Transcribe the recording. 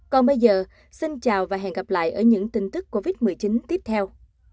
còn bây giờ xin chào và hẹn gặp lại ở những tin tức covid một mươi chín tiếp theo